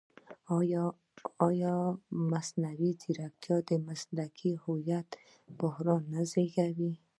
ایا مصنوعي ځیرکتیا د مسلکي هویت بحران نه زېږوي؟